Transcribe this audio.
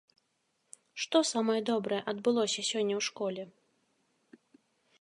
Што самае добрае адбылося сёння ў школе?